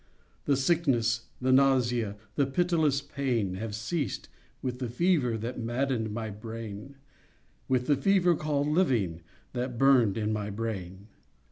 The sickness—the nausea— The pitiless pain— Have ceased, with the fever That maddened my brain— With the fever called "Living" That burned in my brain.